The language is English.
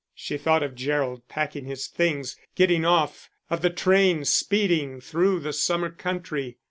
She thought of Gerald packing his things, getting off, of the train speeding through the summer country.